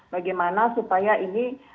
bagaimana supaya ini